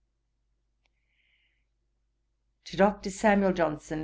'To DR. SAMUEL JOHNSON.